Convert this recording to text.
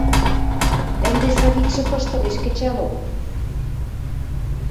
Ӹнде Савикшы кышты ылеш – кӹчалок!